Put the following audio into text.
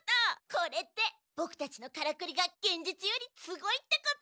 これってボクたちのカラクリが幻術よりすごいってこと？